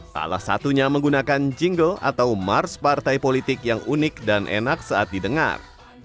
salah satunya menggunakan jingle atau mars partai politik yang unik dan enak saat didengar